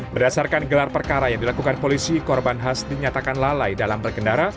berdasarkan gelar perkara yang dilakukan polisi korban khas dinyatakan lalai dalam berkendara